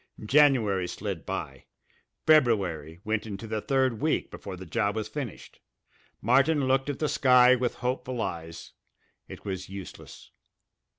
January slid by; February went into the third week before the job was finished. Martin looked at the sky with hopeful eyes. It was useless.